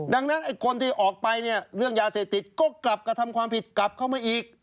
ดังนั้นไอ้คนที่ออกไปเนี่ยเรื่องยาเสพติดก็กลับกระทำความผิดกลับเข้ามาอีก